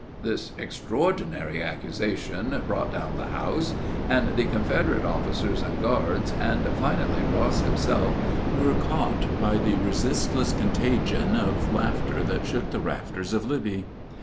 This extraordinary accusation "brought down the house," and the Confederate officers and guards, and finally Ross himself, were caught by the resistless contagion of laughter that shook the rafters of Libby.